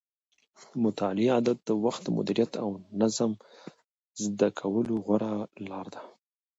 د مطالعې عادت د وخت د مدیریت او نظم زده کولو غوره لاره ده.